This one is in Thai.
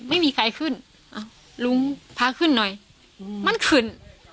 ไม่มีใครขึ้นลุงพาขึ้นหน่อยมันขึ้น